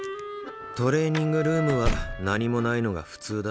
トレーニングルームは何もないのが普通だ。